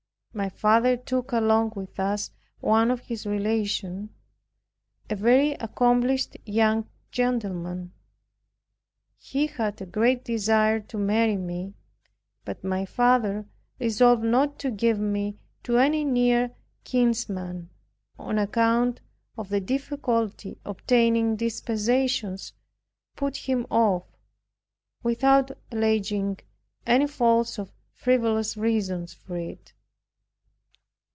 My father took along with us one of his relations, a very accomplished young gentleman. He had a great desire to marry me; but my father, resolved not to give me to any near kinsman on account of the difficulty obtaining dispensations, put him off, without alleging any false or frivolous reasons for it.